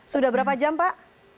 sudah berapa jam pak